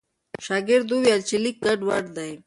شاګرد وویل چې لیک ګډوډ دی.